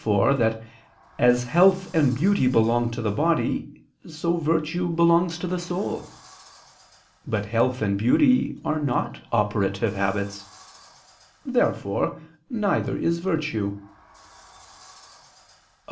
iv) that as health and beauty belong to the body, so virtue belongs to the soul. But health and beauty are not operative habits. Therefore neither is virtue. Obj.